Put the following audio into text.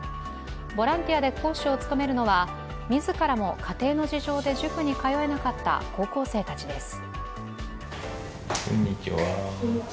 ボランティアで講師を務めるのは自らも家庭の事情で塾に通えなかった高校生たちです。